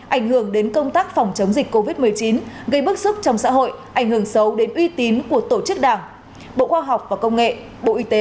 ảnh hưởng đến công tác phòng chống dịch covid một mươi chín gây bức xúc trong xã hội ảnh hưởng xấu đến uy tín của tổ chức đảng bộ khoa học và công nghệ bộ y tế